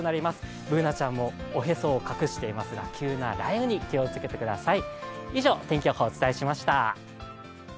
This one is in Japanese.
Ｂｏｏｎａちゃんもおへそを隠していますが急な雷雨に気をつけてください。